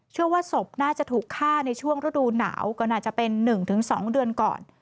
ศพน่าจะถูกฆ่าในช่วงฤดูหนาวก็น่าจะเป็น๑๒เดือนก่อน